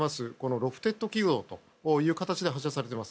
ロフテッド軌道という形で発射されています。